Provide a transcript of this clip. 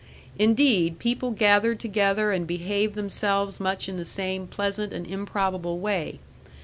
Indeed, people gathered together and behaved themselves much in the same pleasant and improbable way.